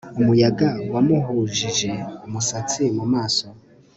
Umuyaga wamuhujije umusatsi mumaso